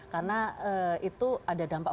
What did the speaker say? karena itu ada dampak